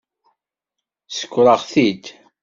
Sskreɣ-t-id.